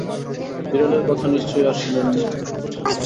বিড়ালের কথা নিশ্চয়ই আর শোনেন নি?